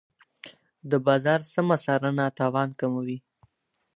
د بازار سمه څارنه تاوان کموي.